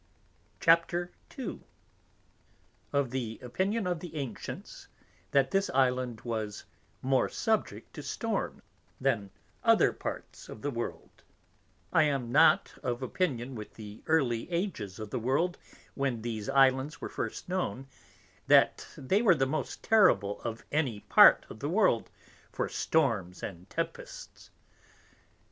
CHAPTER II Of the Opinion of the Ancients, That this Island was more Subject to Storms than other Parts of the World I am not of Opinion with the early Ages of the World, when these Islands were first known, that they were the most Terrible of any Part of the World for Storms and Tempests.